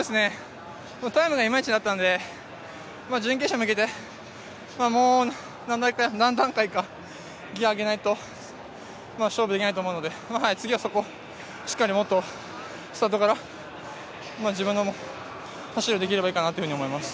タイムがいまいちだったので、準決勝に向けてもう何段階かギア上げないと勝負できないと思うので次はそこをしっかりもっと、スタートから自分の走りをできればいいかなと思います。